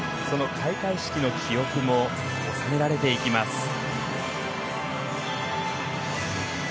その開会式の記憶も収められていきます。